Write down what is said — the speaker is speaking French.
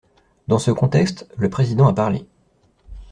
Dans ce contexte, le Président a parlé.